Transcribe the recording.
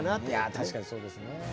いや確かにそうですね。